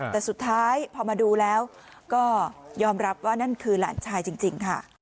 แต่สุดท้ายพอมาดูแล้วก็ยอมรับว่านั่นคือหลานชายจริงค่ะ